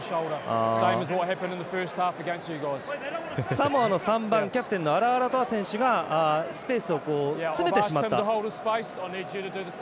サモアの３番、キャプテンのアラアラトア選手がスペースを詰めてしまった。